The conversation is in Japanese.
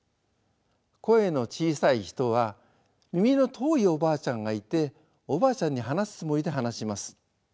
声の小さい人は耳の遠いおばあちゃんがいておばあちゃんに話すつもりで話します。